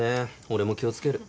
俺も気を付ける。